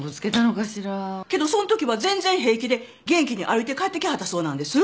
けどそんときは全然平気で元気に歩いて帰ってきはったそうなんです。